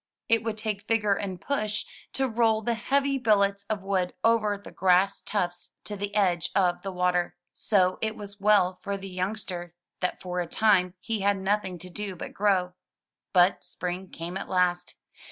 It would take vigor and push to roll the heavy billets of wood over the grass tufts to the edge of the water. So it was well for the youngster that for a time he had nothing to do but grow. But spring came at last.